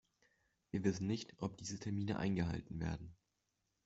Wir wissen nicht, ob diese Termine eingehalten werden.